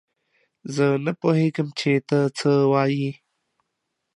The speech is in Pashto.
زه نه پوهېږم چې تۀ څۀ وايي.